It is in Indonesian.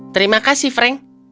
terima kasih frank